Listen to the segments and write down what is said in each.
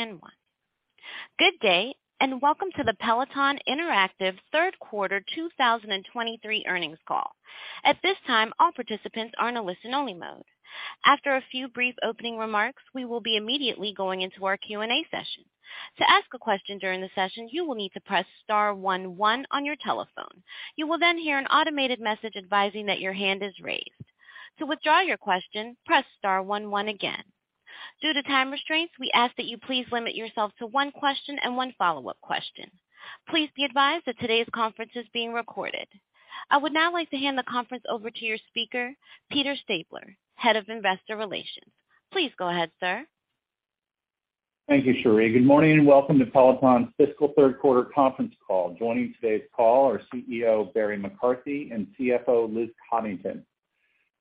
One. Good day and welcome to the Peloton Interactive Q3 2023 earnings call. At this time, all participants are in a listen-only mode. After a few brief opening remarks, we will be immediately going into our Q&A session. To ask a question during the session, you will need to press star 11 on your telephone. You will then hear an automated message advising that your hand is raised. To withdraw your question, press star 11 again. Due to time restraints, we ask that you please limit yourself to one question and one follow-up question. Please be advised that today's conference is being recorded. I would now like to hand the conference over to your speaker, Peter Stabler, Head of Investor Relations. Please go ahead, sir. Thank you, Sheree. Good morning and welcome to Peloton's fiscal Q3 conference call. Joining today's call are CEO, Barry McCarthy, and CFO, Liz Coddington.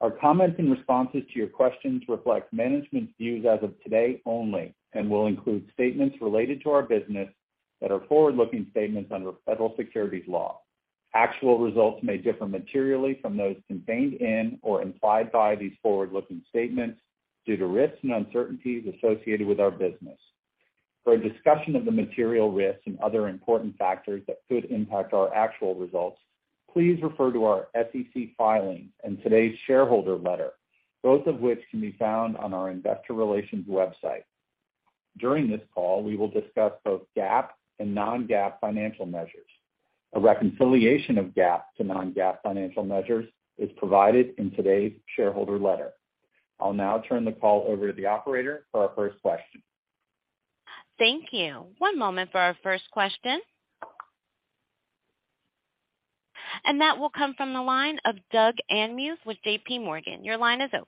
Our comments and responses to your questions reflect management's views as of today only and will include statements related to our business that are forward-looking statements under Federal Securities law. Actual results may differ materially from those contained in or implied by these forward-looking statements due to risks and uncertainties associated with our business. For a discussion of the material risks and other important factors that could impact our actual results, please refer to our SEC filing and today's shareholder letter, both of which can be found on our Investor relations website. During this call, we will discuss both GAAP and non-GAAP financial measures. A reconciliation of GAAP to non-GAAP financial measures is provided in today's shareholder letter. I'll now turn the call over to the operator for our first question. Thank you. One moment for our first question. That will come from the line of Doug Anmuth with JPMorgan. Your line is open.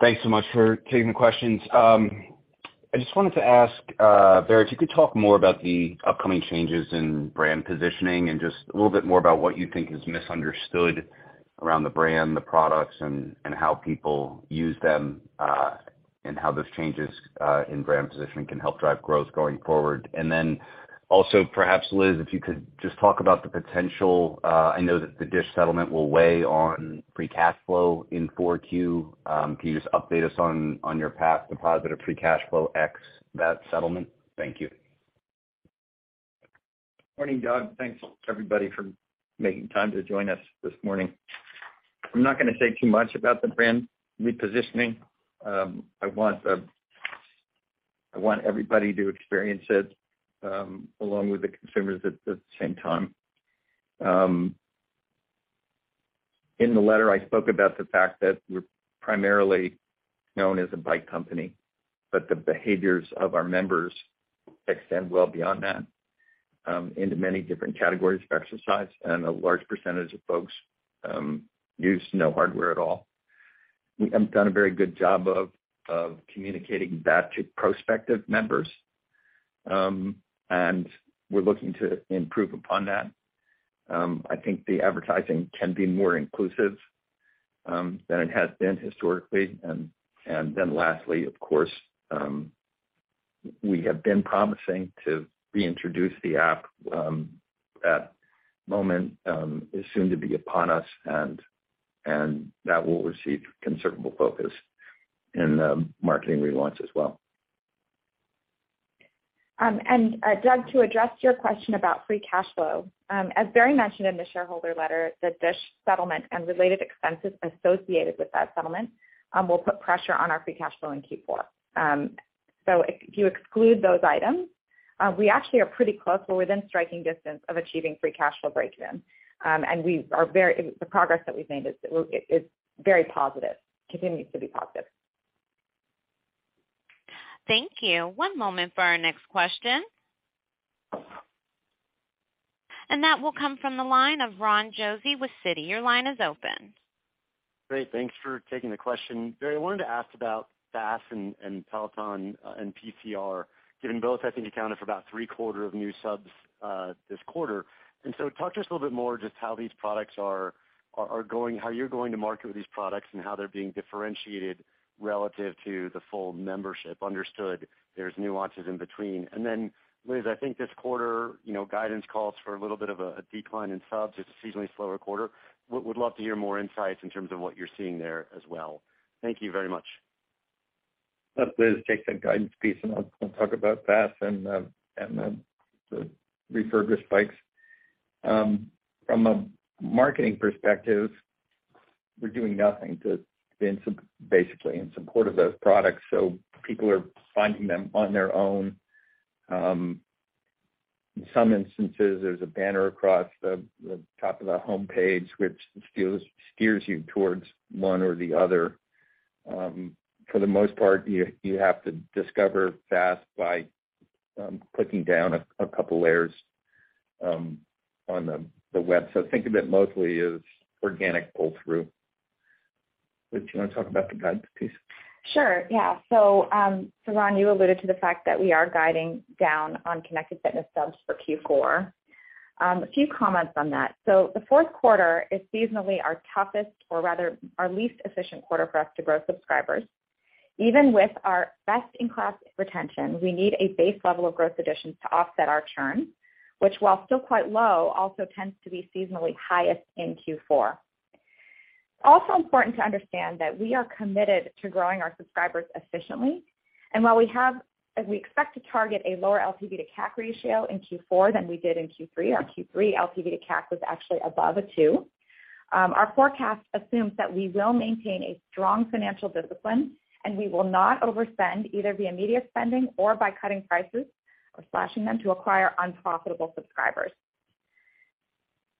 Thanks so much for taking the questions. I just wanted to ask Barry, if you could talk more about the upcoming changes in brand positioning and just a little bit more about what you think is misunderstood around the brand, the products and how people use them, and how those changes in brand positioning can help drive growth going forward. Also perhaps, Liz, if you could just talk about the potential. I know that the Dish settlement will weigh on free cash flow in 4Q. Can you just update us on your path to positive free cash flow ex that settlement? Thank you. Morning, Doug. Thanks everybody for making time to join us this morning. I'm not gonna say too much about the brand repositioning. I want everybody to experience it, along with the consumers at the same time. In the letter, I spoke about the fact that we're primarily known as a bike company, but the behaviors of our members extend well beyond that, into many different categories of exercise, and a large percentage of folks, use no hardware at all. We haven't done a very good job of communicating that to prospective members, and we're looking to improve upon that. I think the advertising can be more inclusive, than it has been historically. Then lastly, of course, we have been promising to reintroduce the app, that moment is soon to be upon us and that will receive considerable focus in the marketing relaunch as well. Doug, to address your question about free cash flow, as Barry mentioned in the shareholder letter, the Dish settlement and related expenses associated with that settlement, will put pressure on our free cash flow in Q4. If you exclude those items, we actually are pretty close. We're within striking distance of achieving free cash flow breakeven. The progress that we've made is very positive, continues to be positive. Thank you. One moment for our next question. That will come from the line of Ron Josey with Citi. Your line is open. Great. Thanks for taking the question. Barry, I wanted to ask about FaaS and Peloton and Precor, given both, I think, accounted for about 3/4 of new subs this quarter. Talk to us a little bit more just how these products are going, how you're going to market these products and how they're being differentiated relative to the full membership. Understood there's nuances in between. Liz, I think this quarter, you know, guidance calls for a little bit of a decline in subs, just a seasonally slower quarter. Would love to hear more insights in terms of what you're seeing there as well. Thank you very much. Let Liz take the guidance piece, and I'll talk about that and the refurbished bikes. From a marketing perspective, we're doing nothing to been basically in support of those products, so people are finding them on their own. In some instances, there's a banner across the top of the homepage which steers you towards one or the other. For the most part you have to discover FaaS by clicking down a couple layers on the web. Think of it mostly as organic pull-through. Liz, you wanna talk about the guidance piece? Sure, yeah. Ron, you alluded to the fact that we are guiding down on connected fitness subs for Q4. A few comments on that. The Q4 seasonally our toughest or rather our least efficient quarter for us to grow subscribers. Even with our best-in-class retention, we need a base level of growth additions to offset our churn, which while still quite low, also tends to be seasonally highest in Q4. It's also important to understand that we are committed to growing our subscribers efficiently. While we expect to target a lower LTV to CAC ratio in Q4 than we did in Q3, our Q3 LTV to CAC was actually above a 2. Our forecast assumes that we will maintain a strong financial discipline, and we will not overspend either via media spending or by cutting prices or slashing them to acquire unprofitable subscribers.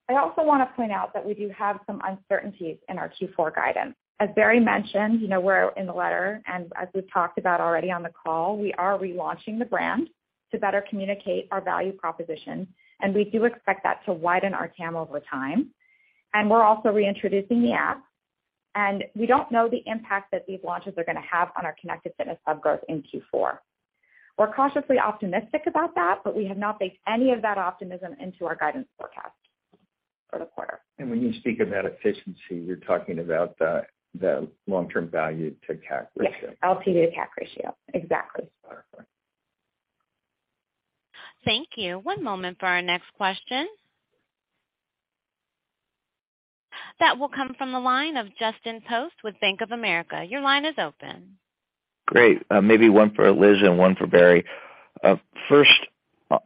I also want to point out that we do have some uncertainties in our Q4 guidance. As Barry mentioned, you know, we're in the letter, and as we've talked about already on the call, we are relaunching the brand to better communicate our value proposition, and we do expect that to widen our TAM over time. We're also reintroducing the app, and we don't know the impact that these launches are gonna have on our connected fitness sub growth in Q4. We're cautiously optimistic about that, but we have not baked any of that optimism into our guidance forecast for the quarter. When you speak about efficiency, you're talking about the long-term value to CAC ratio. Yes. LTV to CAC ratio. Exactly. Perfect. Thank you. One moment for our next question. That will come from the line of Justin Post with Bank of America. Your line is open. Great. Maybe one for Liz and one for Barry. First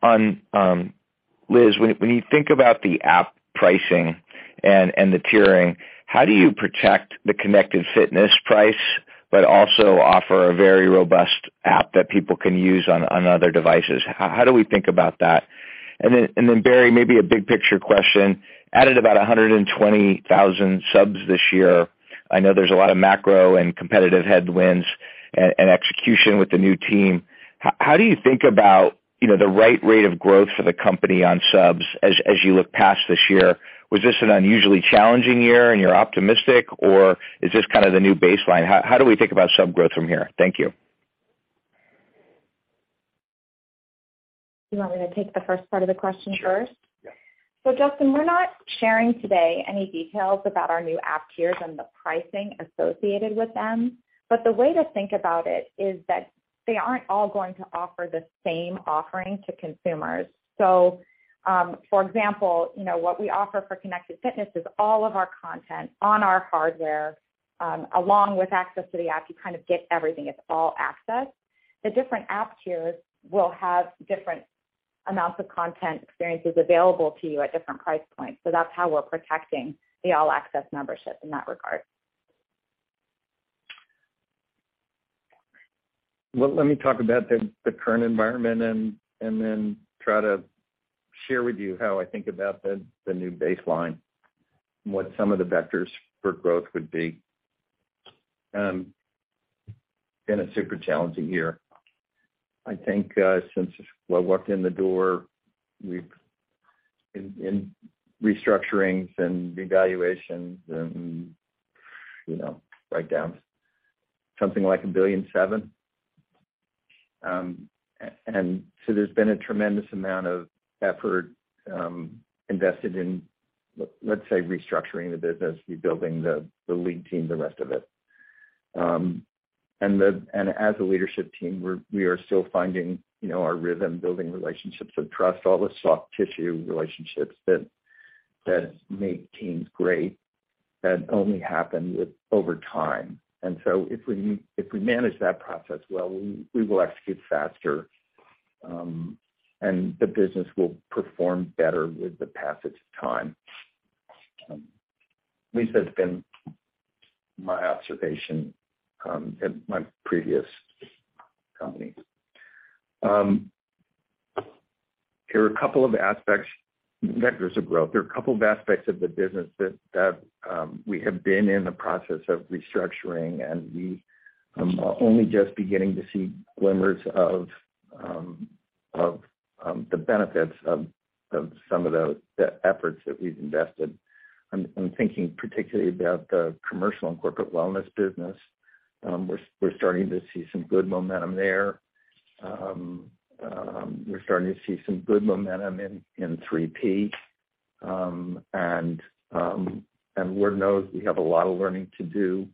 on Liz, when you think about the app pricing and the tiering, how do you protect the connected fitness price but also offer a very robust app that people can use on other devices? How do we think about that? Barry, maybe a big picture question. Added about 120,000 subs this year. I know there's a lot of macro and competitive headwinds and execution with the new team. How do you think about, you know, the right rate of growth for the company on subs as you look past this year? Was this an unusually challenging year and you're optimistic, or is this kind of the new baseline? How do we think about sub growth from here? Thank you. You want me to take the first part of the question first? Sure. Yeah. Justin, we're not sharing today any details about our new app tiers and the pricing associated with them, but the way to think about it is that they aren't all going to offer the same offering to consumers. For example, you know, what we offer for connected fitness is all of our content on our hardware, along with access to the app. You kind of get everything. It's All-Access. The different app tiers will have different amounts of content experiences available to you at different price points. That's how we're protecting the All-Access membership in that regard. Well, let me talk about the current environment and then try to share with you how I think about the new baseline and what some of the vectors for growth would be. Been a super challenging year. I think, since I walked in the door, we've been in restructurings and devaluations and, you know, write-downs something like $1.7 billion. There's been a tremendous amount of effort invested in, let's say, restructuring the business, rebuilding the lead team, the rest of it. As a leadership team, we are still finding, you know, our rhythm, building relationships of trust, all the soft tissue relationships that make teams great, that only happen with over time. If we manage that process well, we will execute faster, and the business will perform better with the passage of time. At least that's been my observation at my previous company. There are a couple of aspects, vectors of growth. There are a couple of aspects of the business that we have been in the process of restructuring, and we are only just beginning to see glimmers of the benefits of some of the efforts that we've invested. I'm thinking particularly about the commercial and corporate wellness business. We're starting to see some good momentum there. We're starting to see some good momentum in 3P. Lord knows we have a lot of learning to do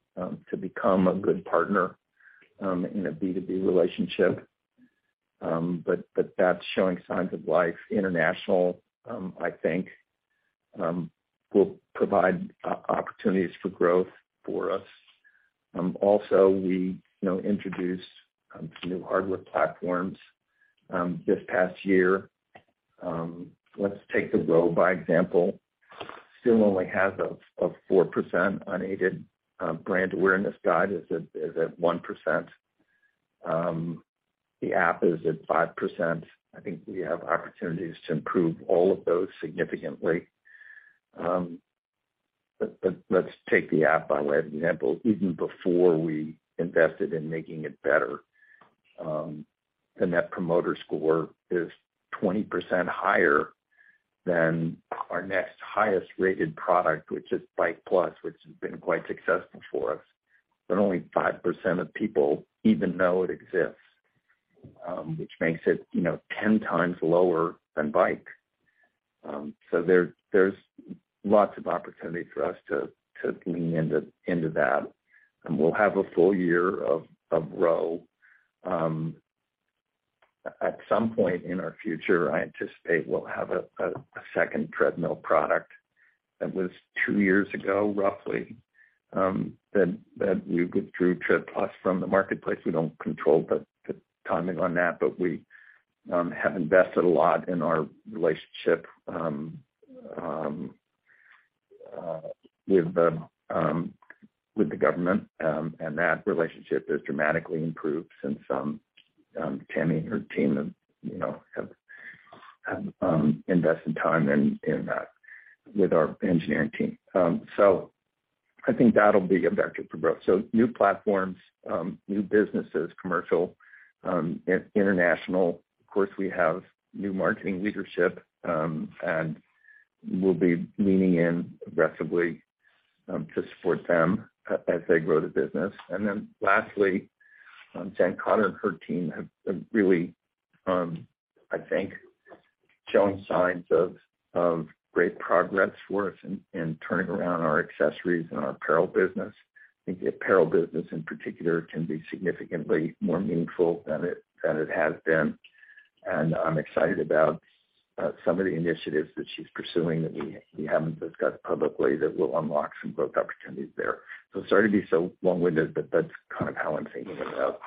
to become a good partner in a B2B relationship. That's showing signs of life international, I think, will provide opportunities for growth for us. Also we, you know, introduced some new hardware platforms this past year. Let's take the Row by example. Still only has a 4% unaided brand awareness guide is at 1%. The app is at 5%. I think we have opportunities to improve all of those significantly. Let's take the app by way of example. Even before we invested in making it better, the net promoter score is 20% higher than our next highest rated product, which is Bike+, which has been quite successful for us. Only 5% of people even know it exists, which makes it, you know, 10 times lower than Bike. There's lots of opportunity for us to lean into that. We'll have a full year of Row. At some point in our future, I anticipate we'll have a second treadmill product. That was two years ago, roughly, that we withdrew Tread Plus from the marketplace. We don't control the timing on that, we have invested a lot in our relationship with the government. That relationship has dramatically improved since Tammy and her team have, you know, invested time in with our engineering team. I think that'll be a vector for growth. New platforms, new businesses, commercial, international. Of course, we have new marketing leadership, and we'll be leaning in aggressively to support them as they grow the business. Lastly, Jen Cotter and her team have really, I think, shown signs of great progress for us in turning around our accessories and our apparel business. I think the apparel business in particular can be significantly more meaningful than it has been. I'm excited about some of the initiatives that she's pursuing that we haven't discussed publicly that will unlock some growth opportunities there. Sorry to be so long-winded, but that's kind of how I'm thinking about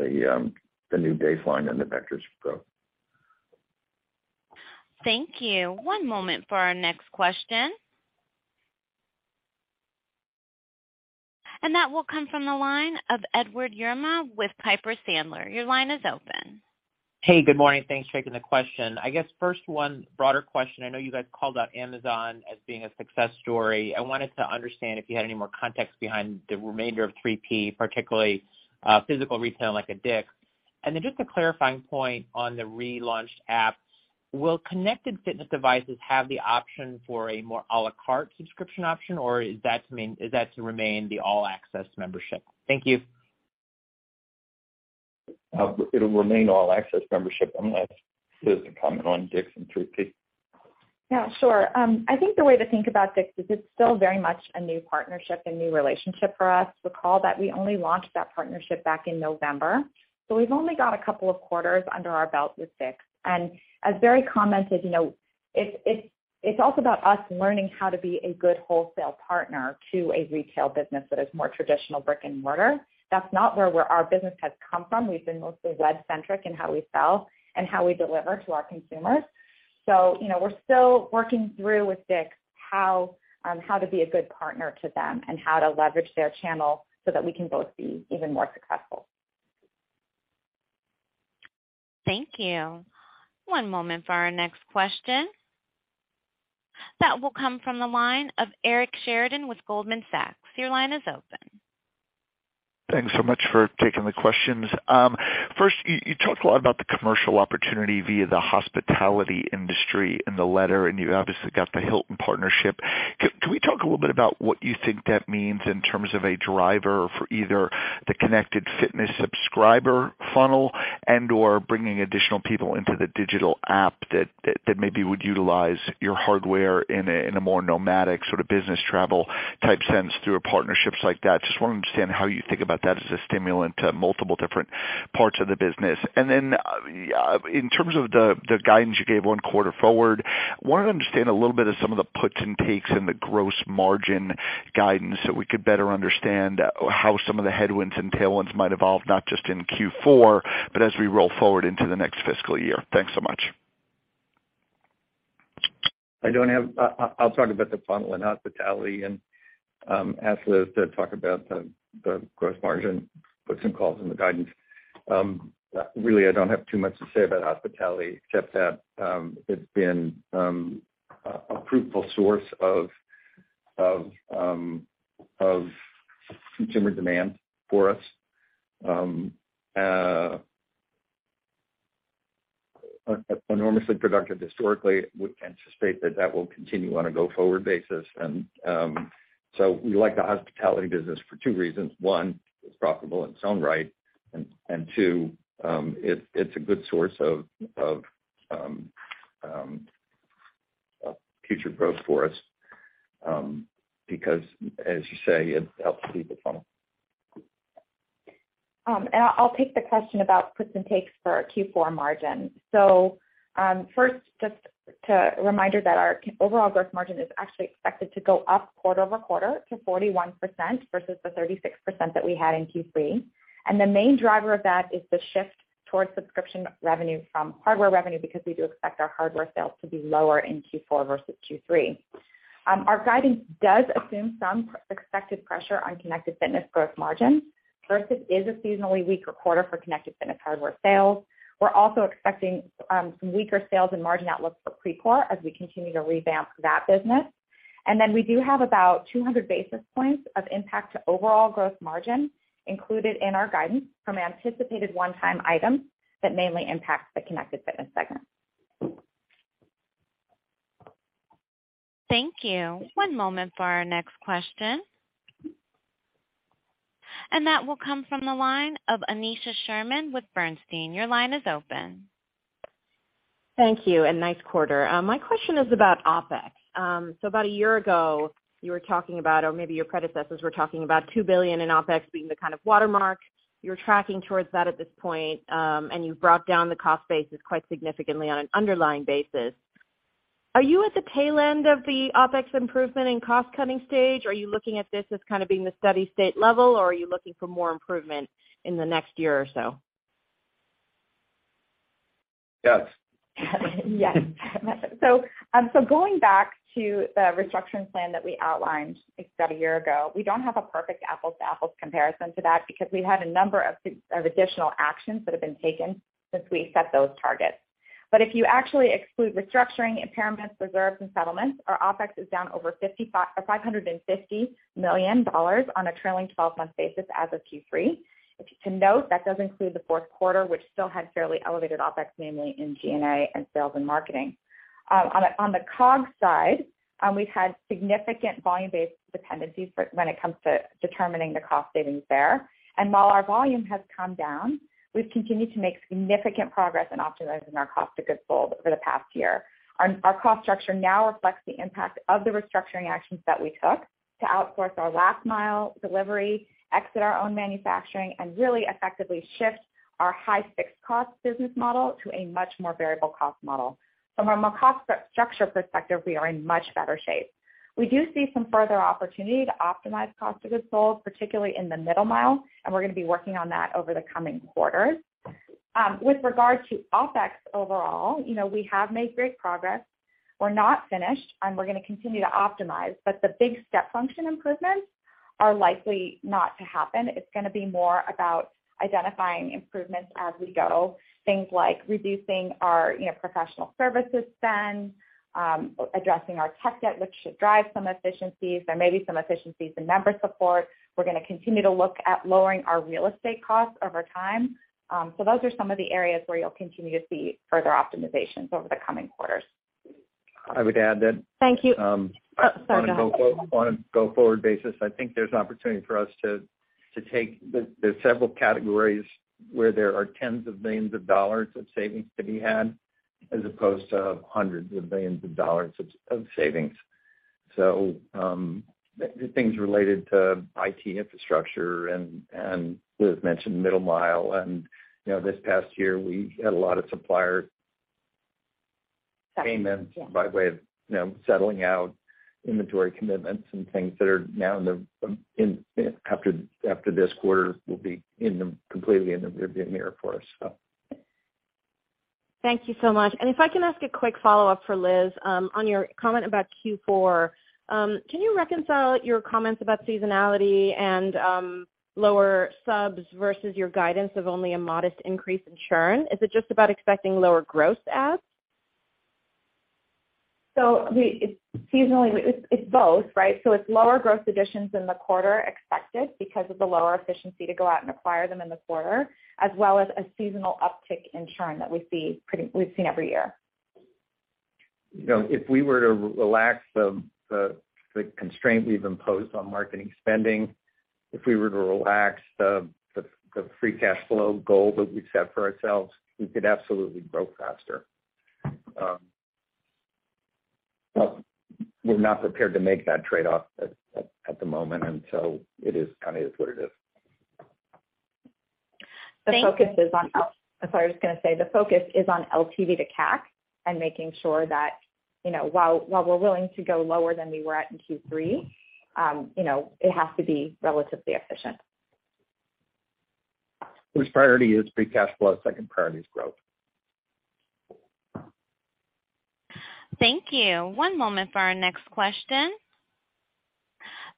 the new baseline and the vectors for growth. Thank you. One moment for our next question. That will come from the line of Edward Yruma with Piper Sandler. Your line is open. Hey, good morning. Thanks for taking the question. I guess first one, broader question. I know you guys called out Amazon as being a success story. I wanted to understand if you had any more context behind the remainder of 3P, particularly, physical retail like a Dick's. Just a clarifying point on the relaunched app. Will connected fitness devices have the option for a more à la carte subscription option, or is that to remain the All Access membership? Thank you. It'll remain All Access membership. I'm gonna let Liz comment on Dick's and 3P. Yeah, sure. I think the way to think about Dick's is it's still very much a new partnership, a new relationship for us. Recall that we only launched that partnership back in November. We've only got a couple of quarters under our belt with Dick's. As Barry commented, you know, it's also about us learning how to be a good wholesale partner to a retail business that is more traditional brick-and-mortar. That's not where our business has come from. We've been mostly web-centric in how we sell and how we deliver to our consumers. You know, we're still working through with Dick's how to be a good partner to them and how to leverage their channel so that we can both be even more successful. Thank you. One moment for our next question. That will come from the line of Eric Sheridan with Goldman Sachs. Your line is open. Thanks so much for taking the questions. First, you talked a lot about the commercial opportunity via the hospitality industry in the letter, and you obviously got the Hilton partnership. Can we talk a little bit about what you think that means in terms of a driver for either the connected fitness subscriber funnel and/or bringing additional people into the digital app that maybe would utilize your hardware in a, in a more nomadic sort of business travel type sense through partnerships like that? Just wanna understand how you think about that as a stimulant to multiple different parts of the business. In terms of the guidance you gave on quarter forward, wanted to understand a little bit of some of the puts and takes in the gross margin guidance so we could better understand how some of the headwinds and tailwinds might evolve, not just in Q4, but as we roll forward into the next fiscal year. Thanks so much. I'll talk about the funnel in hospitality and ask Liz to talk about the gross margin puts and calls in the guidance. Really, I don't have too much to say about hospitality except that it's been a fruitful source of consumer demand for us. Enormously productive historically. We can anticipate that that will continue on a go-forward basis. We like the hospitality business for two reasons. One, it's profitable in its own right. Two, it's a good source of future growth for us because as you say, it helps feed the funnel. I'll take the question about puts and takes for our Q4 margin. First, just to reminder that our overall growth margin is actually expected to go up quarter-over-quarter to 41% versus the 36% that we had in Q3. The main driver of that is the shift towards subscription revenue from hardware revenue because we do expect our hardware sales to be lower in Q4 versus Q3. Our guidance does assume some expected pressure on connected fitness growth margin. First, it is a seasonally weaker quarter for connected fitness hardware sales. We're also expecting some weaker sales and margin outlook for Precor as we continue to revamp that business. We do have about 200 basis points of impact to overall growth margin included in our guidance from anticipated one-time items that mainly impact the connected fitness segment. Thank you. One moment for our next question. That will come from the line of Aneesha Sherman with Bernstein. Your line is open. Thank you, nice quarter. My question is about OpEx. About a year ago, you were talking about, or maybe your predecessors were talking about $2 billion in OpEx being the kind of watermark. You're tracking towards that at this point, and you've brought down the cost basis quite significantly on an underlying basis. Are you at the tail end of the OpEx improvement and cost-cutting stage? Are you looking at this as kind of being the steady-state level, or are you looking for more improvement in the next year or so? Yes. Yes. Going back to the restructuring plan that we outlined, I think it was about a year ago, we don't have a perfect apples-to-apples comparison to that because we've had a number of additional actions that have been taken since we set those targets. But if you actually exclude restructuring, impairments, reserves, and settlements, our OpEx is down over $550 million on a trailing 12-month basis as of Q3. If you can note, that does include the Q4, which still had fairly elevated OpEx, mainly in G&A and sales and marketing. On the COGS side, we've had significant volume-based dependencies for when it comes to determining the cost savings there. And while our volume has come down, we've continued to make significant progress in optimizing our COGS over the past year. Our cost structure now reflects the impact of the restructuring actions that we took to outsource our last mile delivery, exit our own manufacturing, and really effectively shift our high fixed cost business model to a much more variable cost model. From a cost structure perspective, we are in much better shape. We do see some further opportunity to optimize Cost of Goods Sold, particularly in the middle mile, and we're gonna be working on that over the coming quarters. With regard to OpEx overall, you know, we have made great progress. We're not finished, and we're gonna continue to optimize, but the big step function improvements are likely not to happen. It's gonna be more about identifying improvements as we go. Things like reducing our, you know, professional services spend, addressing our tech debt, which should drive some efficiencies. There may be some efficiencies in member support. We're gonna continue to look at lowering our real estate costs over time. Those are some of the areas where you'll continue to see further optimizations over the coming quarters. I would add that. Thank you. Oh, sorry, go ahead. On a go-forward basis, I think there's opportunity for us to take the several categories where there are $10s of millions of savings to be had, as opposed to $100s of millions of savings. The things related to IT infrastructure and Liz mentioned middle mile. You know, this past year, we had a lot of supplier payments by way of, you know, settling out inventory commitments and things that are now after this quarter will be completely in the rearview mirror for us. Thank you so much. If I can ask a quick follow-up for Liz, on your comment about Q4. Can you reconcile your comments about seasonality and lower subs versus your guidance of only a modest increase in churn? Is it just about expecting lower gross adds? Seasonally, it's both, right? It's lower gross additions in the quarter expected because of the lower efficiency to go out and acquire them in the quarter, as well as a seasonal uptick in churn that we've seen every year. You know, if we were to relax the constraint we've imposed on marketing spending, if we were to relax the free cash flow goal that we've set for ourselves, we could absolutely grow faster. We're not prepared to make that trade-off at the moment, it is kind of is what it is. Thank you. Sorry, I was gonna say the focus is on LTV to CAC and making sure that, you know, while we're willing to go lower than we were at in Q3, you know, it has to be relatively efficient. First priority is free cash flow, second priority is growth. Thank you. One moment for our next question.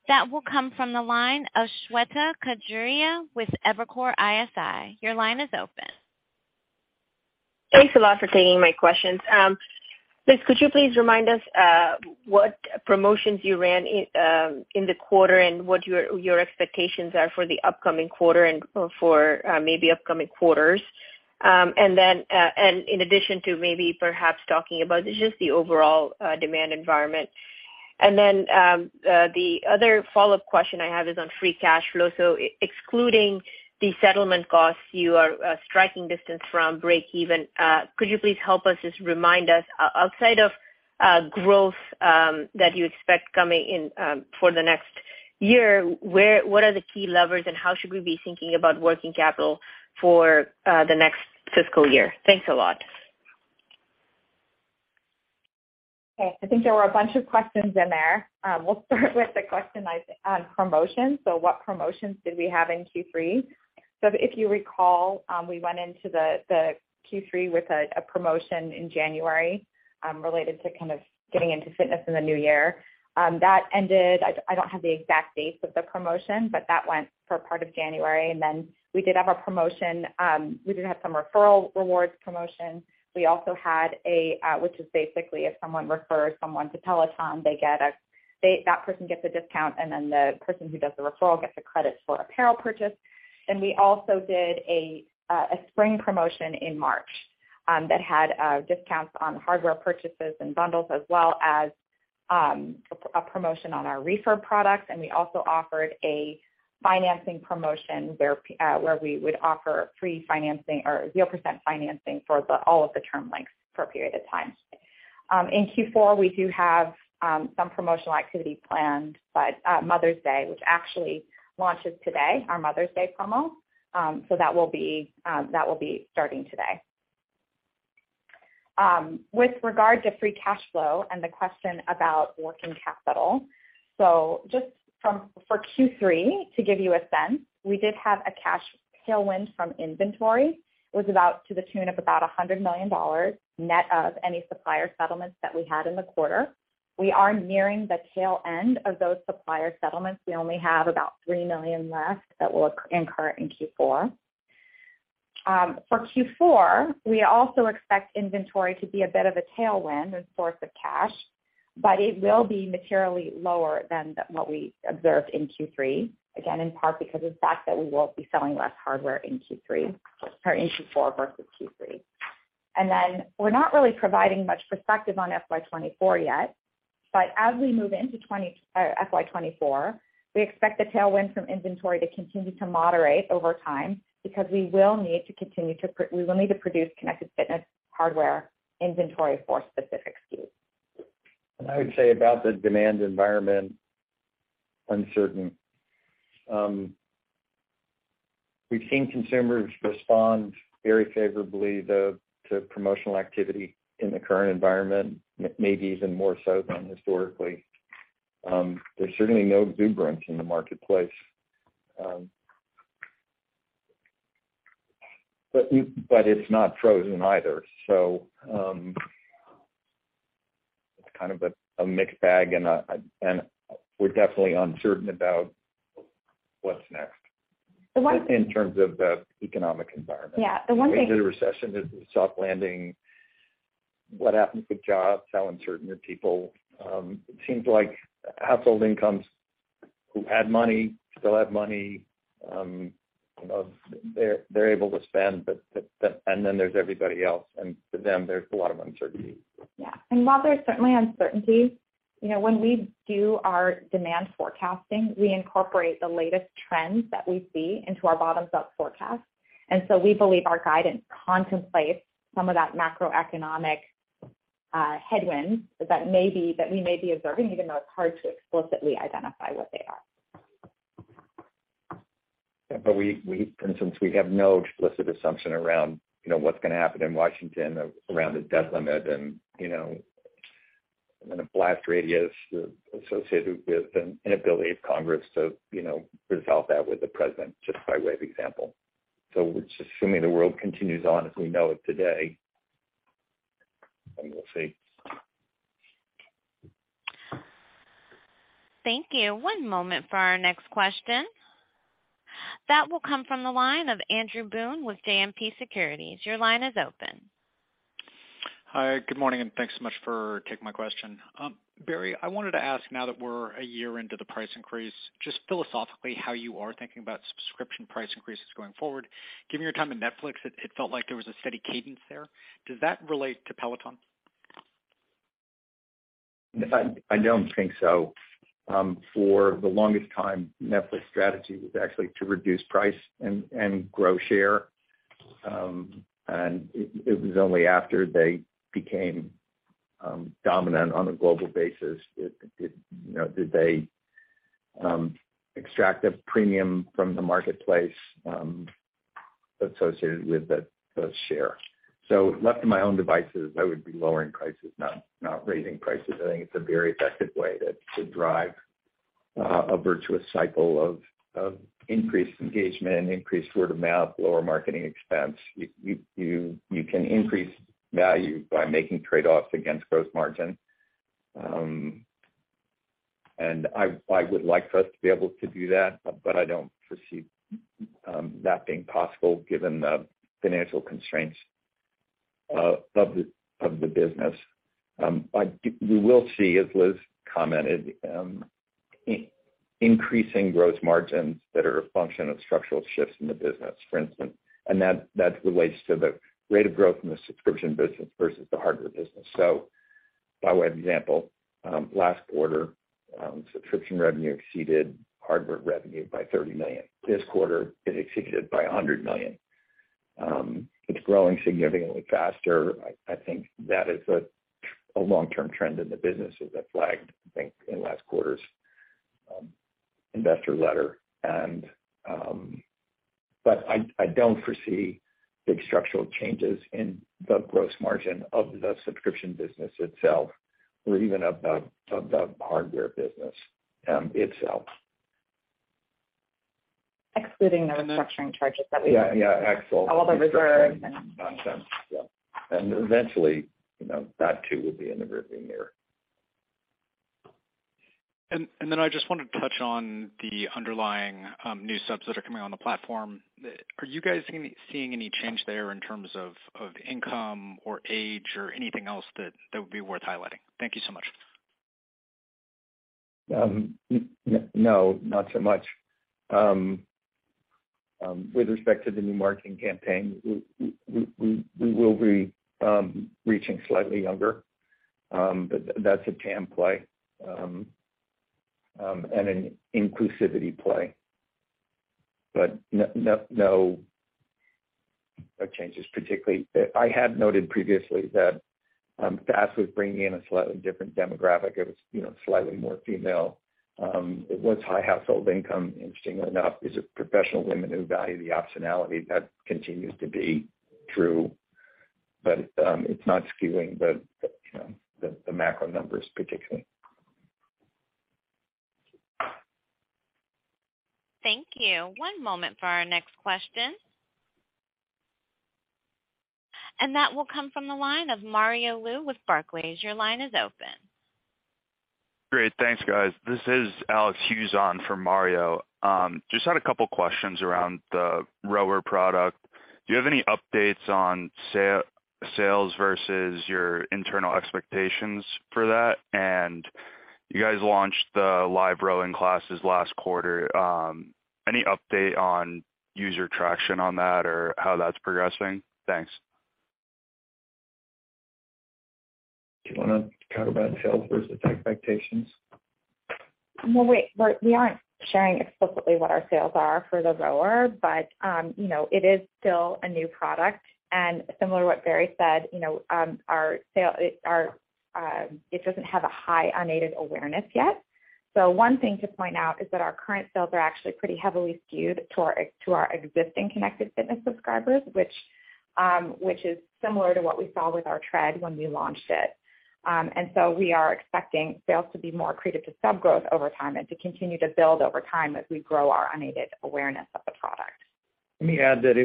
That will come from the line of Shweta Khajuria with Evercore ISI. Your line is open. Thanks a lot for taking my questions. Liz, could you please remind us what promotions you ran in the quarter and what your expectations are for the upcoming quarter and for maybe upcoming quarters? Then, in addition to maybe perhaps talking about just the overall demand environment. Then, the other follow-up question I have is on free cash flow. Excluding the settlement costs, you are striking distance from break even. Could you please help us, just remind us outside of growth that you expect coming in for the next year, what are the key levers, and how should we be thinking about working capital for the next fiscal year? Thanks a lot. Okay. I think there were a bunch of questions in there. We'll start with the question I think on promotions. What promotions did we have in Q3? If you recall, we went into the Q3 with a promotion in January, related to kind of getting into fitness in the new year. That ended, I don't have the exact dates of the promotion, but that went for part of January. We did have a promotion. We did have some referral rewards promotions. We also had a, which is basically if someone refers someone to Peloton, they get a, that person gets a discount, and then the person who does the referral gets a credit for apparel purchase. We also did a spring promotion in March, that had discounts on hardware purchases and bundles as well as a promotion on our refurb products, and we also offered a financing promotion where we would offer free financing or 0% financing for the all of the term lengths for a period of time. In Q4, we do have some promotional activity planned, but Mother's Day, which actually launches today, our Mother's Day promo. That will be starting today. With regard to free cash flow and the question about working capital. Just for Q3, to give you a sense, we did have a cash tailwind from inventory. It was about to the tune of about $100 million, net of any supplier settlements that we had in the quarter. We are nearing the tail end of those supplier settlements. We only have about $3 million left that we'll incur in Q4. For Q4, we also expect inventory to be a bit of a tailwind and source of cash, but it will be materially lower than what we observed in Q3, again, in part because of the fact that we will be selling less hardware in Q3 or in Q4 versus Q3. We're not really providing much perspective on FY24 yet. As we move into FY24, we expect the tailwind from inventory to continue to moderate over time because we will need to continue to produce connected fitness hardware inventory for specific SKUs. I would say about the demand environment, uncertain. We've seen consumers respond very favorably to promotional activity in the current environment, maybe even more so than historically. There's certainly no exuberance in the marketplace. It's not frozen either. It's kind of a mixed bag and we're definitely uncertain about what's next. The one thing. In terms of the economic environment. Yeah. The one thing- Is it a recession? Is it a soft landing? What happens with jobs? How uncertain are people? It seems like household incomes, who had money, still have money, you know, they're able to spend, but then there's everybody else. For them, there's a lot of uncertainty. Yeah. While there's certainly uncertainty, you know, when we do our demand forecasting, we incorporate the latest trends that we see into our bottom-up forecast. We believe our guidance contemplates some of that macroeconomic headwind that we may be observing, even though it's hard to explicitly identify what they are. Yeah. But we, since we have no explicit assumption around, you know, what's gonna happen in Washington around the debt limit and, you know, and the blast radius associated with an inability of Congress to, you know, resolve that with the president, just by way of example. We're just assuming the world continues on as we know it today, and we'll see. Thank you. One moment for our next question. That will come from the line of Andrew Boone with JMP Securities. Your line is open. Hi, good morning, thanks so much for taking my question. Barry, I wanted to ask, now that we're a year into the price increase, just philosophically how you are thinking about subscription price increases going forward. Given your time at Netflix, it felt like there was a steady cadence there. Does that relate to Peloton? I don't think so. For the longest time, Netflix strategy was actually to reduce price and grow share. It was only after they became dominant on a global basis that, you know, did they extract a premium from the marketplace associated with the share. Left to my own devices, I would be lowering prices, not raising prices. I think it's a very effective way to drive a virtuous cycle of increased engagement, increased word of mouth, lower marketing expense. You can increase value by making trade-offs against gross margin. I would like for us to be able to do that, but I don't foresee that being possible given the financial constraints of the business. You will see, as Liz commented, increasing gross margins that are a function of structural shifts in the business, for instance. That relates to the rate of growth in the subscription business versus the hardware business. By way of example, last quarter, subscription revenue exceeded hardware revenue by $30 million. This quarter, it exceeded by $100 million. It's growing significantly faster. I think that is a long-term trend in the business as I flagged, I think, in last quarter's investor letter. I don't foresee big structural changes in the gross margin of the subscription business itself or even of the hardware business itself. Excluding the restructuring charges. Yeah, yeah. All the restructuring. All the reserves and- Nonsense. Yeah. Eventually, you know, that too will be in the rearview mirror. I just wanted to touch on the underlying new subs that are coming on the platform. Are you guys seeing any change there in terms of income or age or anything else that would be worth highlighting? Thank you so much. No, not so much. With respect to the new marketing campaign, we will be reaching slightly younger. That's a TAM play and an inclusivity play. No changes particularly. I had noted previously that FaaS was bringing in a slightly different demographic. It was, you know, slightly more female. It was high household income, interestingly enough. These are professional women who value the optionality. That continues to be true. It's not skewing the, you know, the macro numbers particularly. Thank you. One moment for our next question. That will come from the line of Mario Lu with Barclays. Your line is open. Great. Thanks, guys. This is Alexandra Hughes on for Mario. Just had a couple questions around the rower product. Do you have any updates on sales versus your internal expectations for that? You guys launched the live rowing classes last quarter. Any update on user traction on that or how that's progressing? Thanks. Do you wanna talk about sales versus expectations? We aren't sharing explicitly what our sales are for the Row. You know, it is still a new product, and similar to what Barry said, you know, it doesn't have a high unaided awareness yet. One thing to point out is that our current sales are actually pretty heavily skewed to our existing Connected Fitness subscribers, which is similar to what we saw with our tread when we launched it. We are expecting sales to be more accretive to sub growth over time and to continue to build over time as we grow our unaided awareness of the product. Let me add that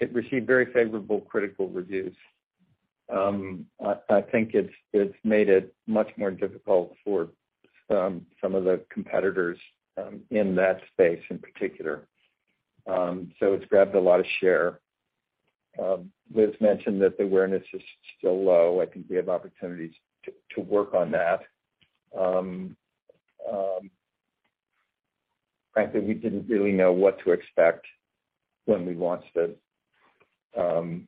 it received very favorable critical reviews. I think it's made it much more difficult for some of the competitors in that space in particular. It's grabbed a lot of share. Liz mentioned that the awareness is still low. I think we have opportunities to work on that. Frankly, we didn't really know what to expect when we launched it, and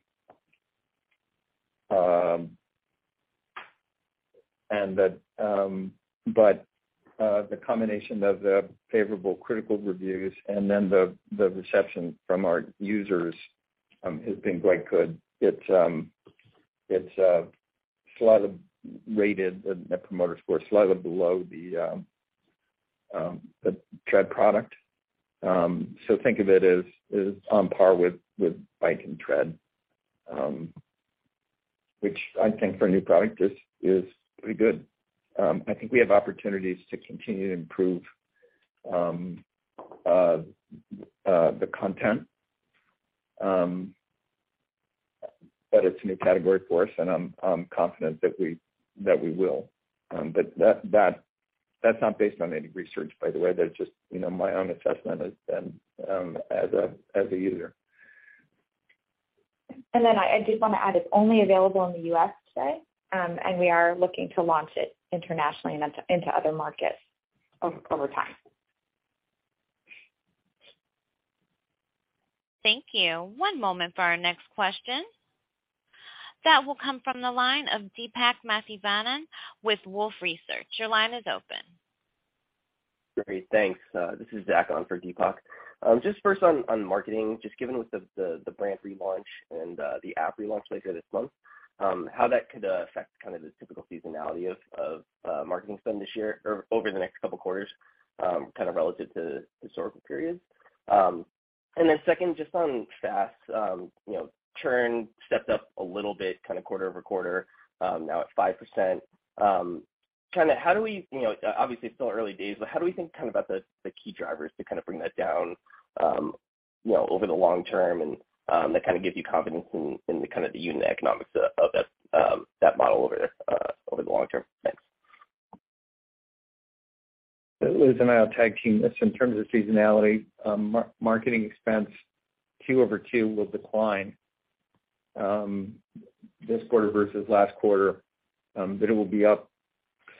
that, but the combination of the favorable critical reviews and then the reception from our users has been quite good. It's slightly rated, the net promoter score, slightly below the Tread product. Think of it as on par with Bike and Tread, which I think for a new product is pretty good. I think we have opportunities to continue to improve the content, but it's a new category for us, and I'm confident that we will. That's not based on any research by the way. That's just, you know, my own assessment as a user. I did wanna add, it's only available in the U.S. today, and we are looking to launch it internationally and into other markets over time. Thank you. One moment for our next question. That will come from the line of Deepak Mathivanan with Wolfe Research. Your line is open. Great. Thanks. This is Zach on for Deepak. Just first on marketing, just given with the brand relaunch and the app relaunch later this month, how that could affect kind of the typical seasonality of marketing spend this year or over the next two quarters, kind of relative to historical periods. Second, just on FaaS, you know, churn stepped up a little bit kind of quarter-over-quarter, now at 5%. kinda how do we, you know, obviously it's still early days, but how do we think kind of about the key drivers to kind of bring that down, you know, over the long term and, that kind of gives you confidence in the kind of the unit economics of that model over the long term? Thanks. Liz and I will tag team this. In terms of seasonality, marketing expense Q over Q will decline this quarter versus last quarter, but it will be up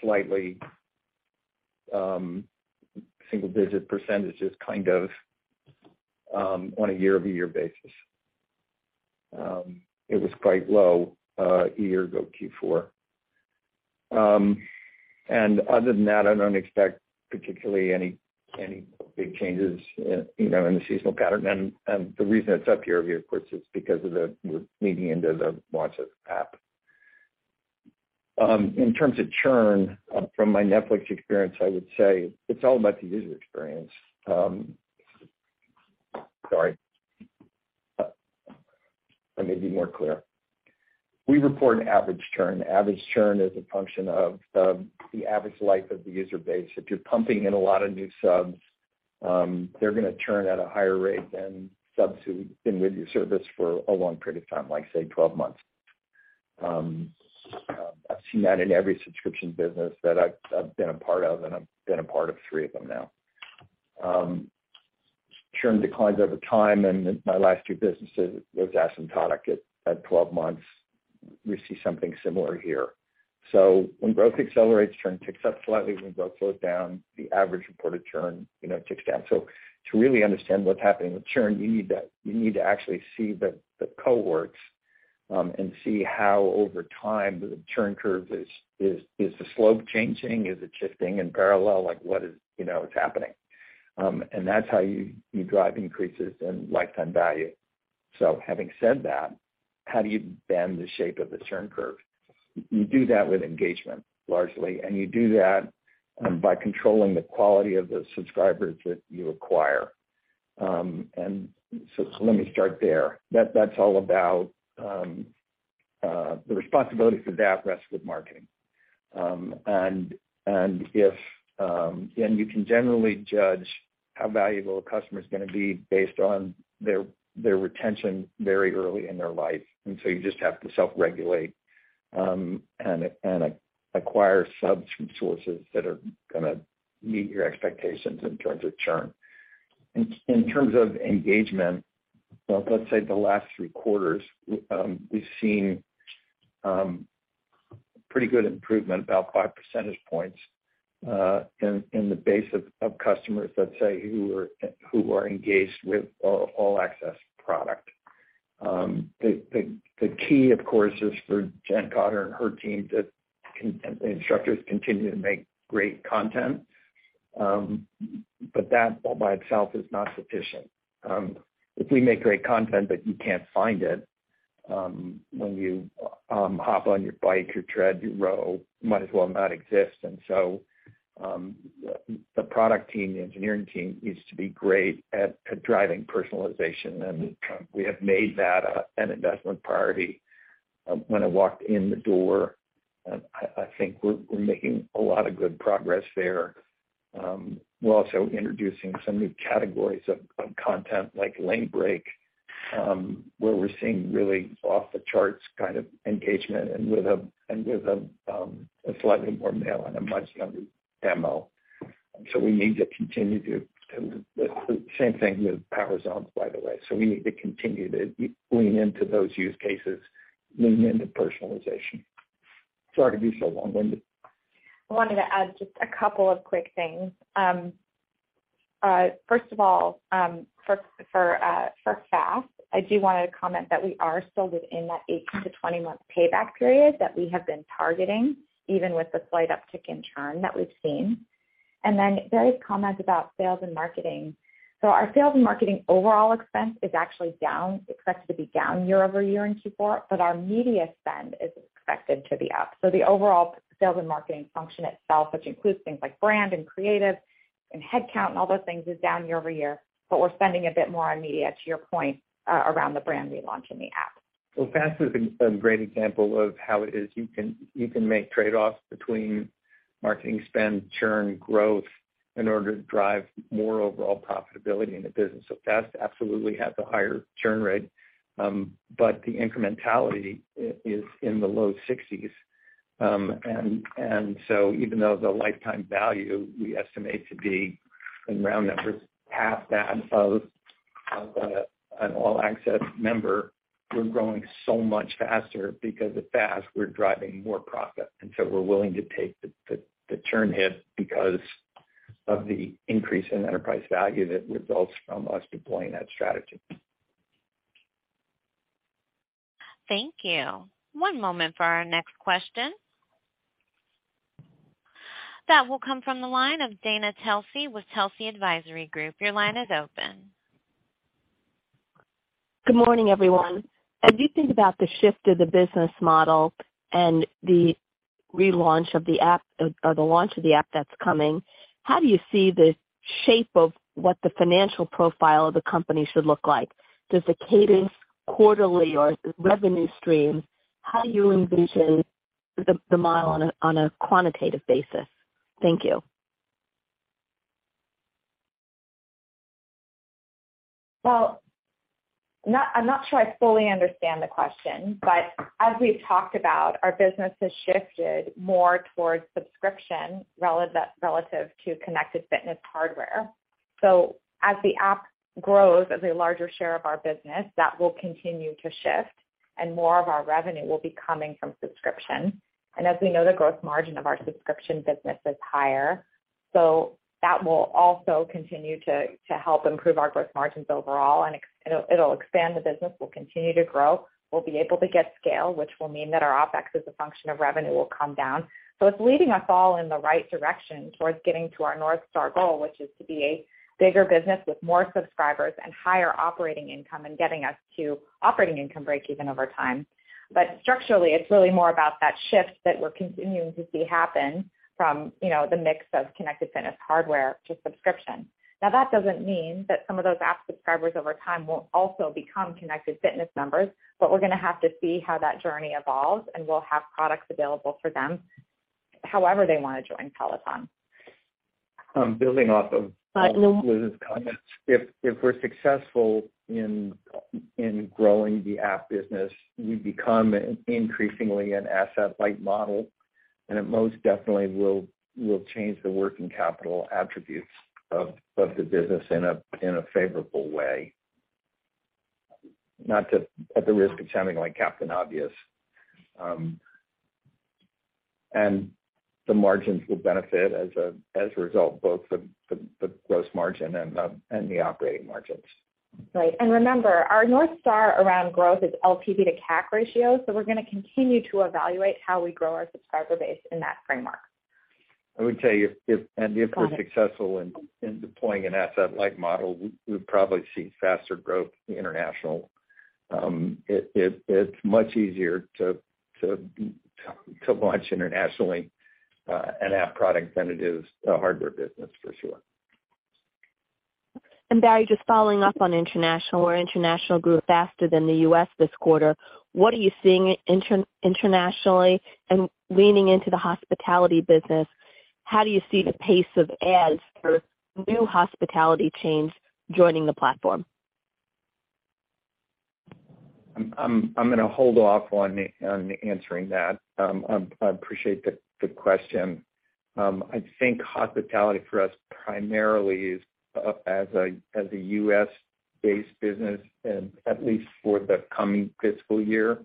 slightly, single-digit % kind of on a year-over-year basis. It was quite low a year ago, Q4. Other than that, I don't expect particularly any big changes, you know, in the seasonal pattern. The reason it's up year over year, of course, is because of the we're leading into the launch of the app. In terms of churn, from my Netflix experience, I would say it's all about the user experience. Sorry. Let me be more clear. We report an average churn. Average churn is a function of the average life of the user base. If you're pumping in a lot of new subs, they're gonna churn at a higher rate than subs who've been with your service for a long period of time, like say 12 months. I've seen that in every subscription business that I've been a part of, and I've been a part of three of them now. Churn declines over time, and in my last 2 businesses, it was asymptotic at 12 months. We see something similar here. When growth accelerates, churn ticks up slightly. When growth slows down, the average reported churn, you know, ticks down. To really understand what's happening with churn, you need to actually see the cohorts, and see how over time the churn curve is the slope changing? Is it shifting in parallel? Like what is, you know, happening? That's how you drive increases in lifetime value. Having said that, how do you bend the shape of the churn curve? You do that with engagement largely, and you do that by controlling the quality of the subscribers that you acquire. Let me start there. That's all about the responsibility for that rests with marketing. If, and you can generally judge how valuable a customer is gonna be based on their retention very early in their life. You just have to self-regulate, and acquire subs from sources that are gonna meet your expectations in terms of churn. In terms of engagement, let's say the last three quarters, we've seen pretty good improvement, about five percentage points, in the base of customers, let's say, who are engaged with All-Access product. The key of course is for Jen Cotter and her team to instructors continue to make great content. That all by itself is not sufficient. If we make great content, but you can't find it, when you hop on your bike, your tread, you Row, might as well not exist. The product team, the engineering team needs to be great at driving personalization, and we have made that an investment priority, when I walked in the door. I think we're making a lot of good progress there. We're also introducing some new categories of content like Lanebreak, where we're seeing really off the charts kind of engagement and with a, and with a slightly more male and a much younger demo. The same thing with Power Zones, by the way. We need to continue to lean into those use cases, lean into personalization. Sorry to be so long-winded. I wanted to add just a couple of quick things. Um, uh, first of all, um, for, for, uh, for FaaS, I do wanna comment that we are still within that eighteen to 20 month payback period that we have been targeting, even with the slight uptick in churn that we've seen. And then Barry's comment about sales and marketing. So our sales and marketing overall expense is actually down. Expects to be down year over year in Q4, but our media spend is expected to be up. So the overall sales and marketing function itself, which includes things like brand and creative and headcount and all those things, is down year over year, but we're spending a bit more on media, to your point, uh, around the brand relaunch and the app. FaaS is a great example of how it is you can make trade-offs between marketing spend, churn, growth in order to drive more overall profitability in the business. FaaS absolutely has a higher churn rate, but the incrementality is in the low 60s. Even though the lifetime value we estimate to be in round numbers, half that of an All-Access member, we're growing so much faster because at FaaS, we're driving more profit. We're willing to take the churn hit because of the increase in enterprise value that results from us deploying that strategy. Thank you. One moment for our next question. That will come from the line of Dana Telsey with Telsey Advisory Group. Your line is open. Good morning, everyone. As you think about the shift of the business model and the relaunch of the app or the launch of the app that's coming, how do you see the shape of what the financial profile of the company should look like? Does the cadence quarterly or revenue stream, how do you envision the model on a quantitative basis? Thank you. Well, I'm not sure I fully understand the question. As we've talked about, our business has shifted more towards subscription relative to connected fitness hardware. As the app grows as a larger share of our business, that will continue to shift and more of our revenue will be coming from subscription. As we know, the gross margin of our subscription business is higher. That will also continue to help improve our gross margins overall, and it'll expand the business. We'll continue to grow. We'll be able to get scale, which will mean that our OpEx as a function of revenue will come down. It's leading us all in the right direction towards getting to our North Star goal, which is to be a bigger business with more subscribers and higher operating income and getting us to operating income breakeven over time. Structurally, it's really more about that shift that we're continuing to see happen from, you know, the mix of connected fitness hardware to subscription. That doesn't mean that some of those app subscribers over time won't also become connected fitness members. We're going to have to see how that journey evolves. We'll have products available for them however they want to join Peloton. Building off of Liz's comments. If we're successful in growing the app business, we become increasingly an asset-light model. It most definitely will change the working capital attributes of the business in a favorable way. At the risk of sounding like Captain Obvious. The margins will benefit as a result, both the gross margin and the operating margins. Right. Remember, our north star around growth is LTV to CAC ratio. We're gonna continue to evaluate how we grow our subscriber base in that framework. I would tell you if. Go ahead. If we're successful in deploying an asset-light model, we would probably see faster growth in international. It's much easier to launch internationally an app product than it is a hardware business for sure. Barry, just following up on international, where international grew faster than the US this quarter, what are you seeing internationally? Leaning into the hospitality business, how do you see the pace of adds for new hospitality chains joining the platform? I'm gonna hold off on answering that. I appreciate the question. I think hospitality for us primarily is as a U.S.-based business, and at least for the coming fiscal year.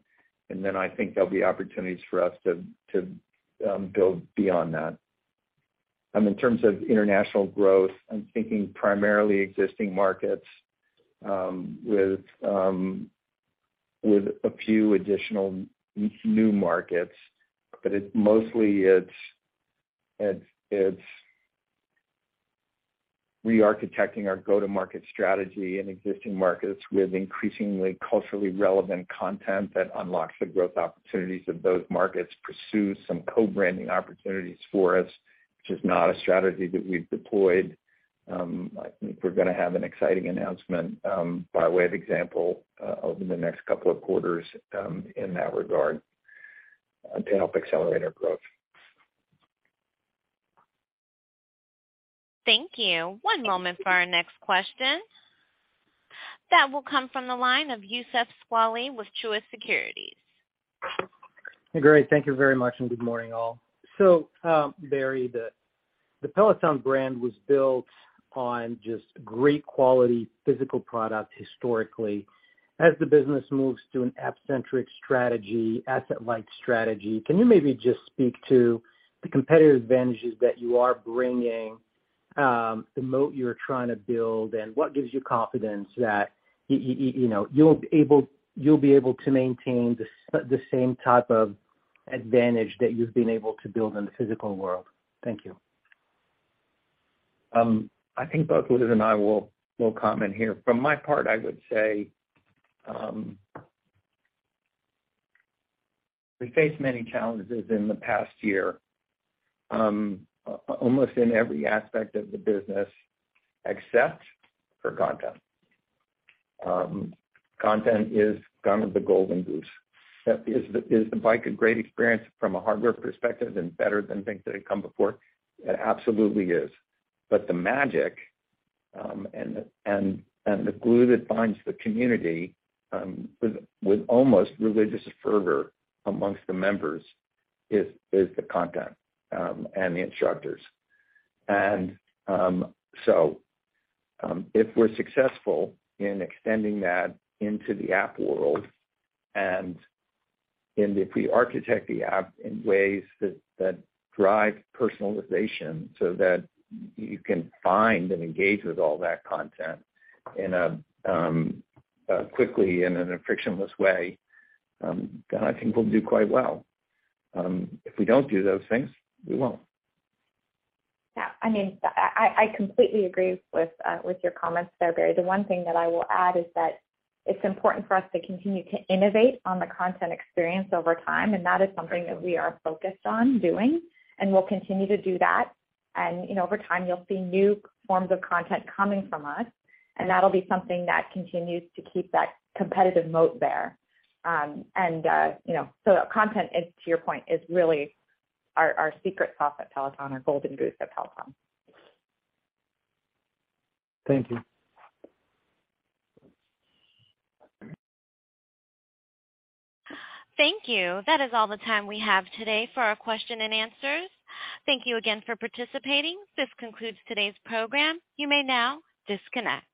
Then I think there'll be opportunities for us to build beyond that. In terms of international growth, I'm thinking primarily existing markets, with a few additional new markets. Mostly it's rearchitecting our go-to-market strategy in existing markets with increasingly culturally relevant content that unlocks the growth opportunities of those markets, pursues some co-branding opportunities for us, which is not a strategy that we've deployed. I think we're gonna have an exciting announcement, by way of example, over the next couple of quarters, in that regard to help accelerate our growth. Thank you. One moment for our next question. That will come from the line of Youssef Squali with Truist Securities. Great. Thank you very much, and good morning, all. Barry, the Peloton brand was built on just great quality physical product historically. As the business moves to an app-centric strategy, asset-light strategy, can you maybe just speak to the competitive advantages that you are bringing, the moat you're trying to build, and what gives you confidence that you know, you'll be able to maintain the same type of advantage that you've been able to build in the physical world? Thank you. I think both Louise and I will comment here. From my part, I would say, we faced many challenges in the past year, almost in every aspect of the business, except for content. Content is kind of the golden goose. Is the, is the bike a great experience from a hardware perspective and better than things that had come before? It absolutely is. The magic, and the glue that binds the community with almost religious fervor amongst the members is the content and the instructors. If we're successful in extending that into the app world and if we architect the app in ways that drive personalization so that you can find and engage with all that content in a quickly and in a frictionless way, then I think we'll do quite well. If we don't do those things, we won't. Yeah, I mean, I completely agree with your comments there, Barry. The one thing that I will add is that it's important for us to continue to innovate on the content experience over time, and that is something that we are focused on doing, and we'll continue to do that. You know, over time, you'll see new forms of content coming from us, and that'll be something that continues to keep that competitive moat there. You know, so content is, to your point, is really our secret sauce at Peloton, our golden goose at Peloton. Thank you. Thank you. That is all the time we have today for our question and answers. Thank you again for participating. This concludes today's program. You may now disconnect.